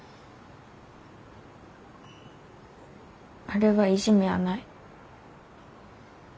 あれはいじめやない。